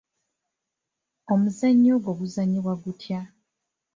Omuzannyo ogwo guzannyibwa gutya?